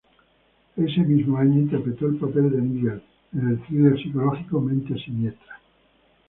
Ese mismo año interpretó el papel de "Nigel" en el thriller psicológico, "Mentes Siniestras".